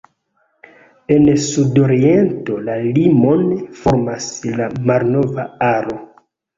En sudoriento la limon formas la Malnova Aro.